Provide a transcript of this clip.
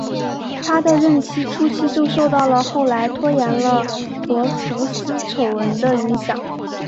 他的任期初期就受到了后来拖延了博福斯丑闻的影响。